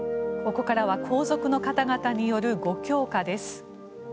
ここからは皇族の方々によるご供花です。